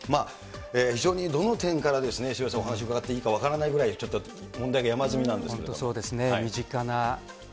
非常にどの点から渋谷さん、お話伺っていいか分からないぐらいちょっと問題が山積みなんです